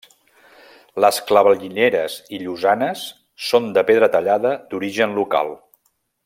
Les clavellineres i llosanes són de pedra tallada d'origen local.